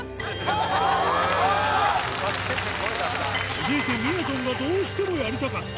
続いてみやぞんがどうしてもやりたかった